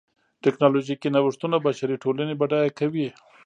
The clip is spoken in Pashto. ټکنالوژیکي نوښتونه بشري ټولنې بډایه کوي.